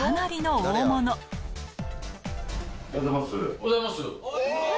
おはようございます。